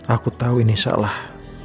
aku tahu ini salah